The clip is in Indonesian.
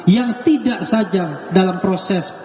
yang tidak saja dalam proses